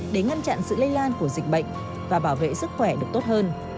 để ngăn chặn sự lây lan của dịch bệnh và bảo vệ sức khỏe được tốt hơn